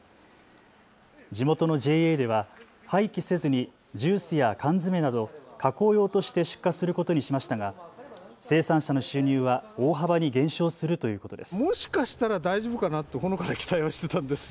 地元のＪＡでは廃棄せずにジュースや缶詰など加工用として出荷することにしましたが生産者の収入は大幅に減少するということです。